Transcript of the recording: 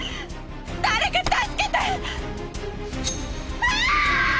誰か助けて！